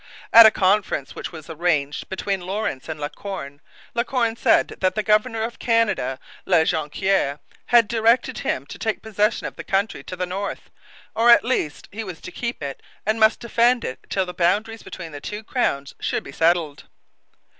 At a conference which was arranged between Lawrence and La Corne, La Corne said that the governor of Canada, La Jonquiere, had directed him to take possession of the country to the north, 'or at least he was to keep it and must defend it till the boundaries between the two Crowns should be settled.'